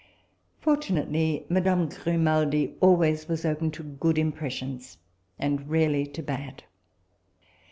Fortunately madame Grimaldi always was open to good impressions, and rarely to bad.